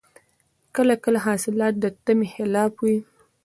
کله کله حالات د تمي خلاف وي.